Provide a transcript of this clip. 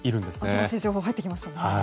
新しい情報が入ってきましたね。